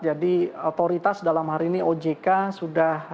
jadi otoritas dalam hari ini ojk sudah membutuhkan kepentingan dari bursa saham kita